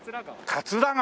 桂川。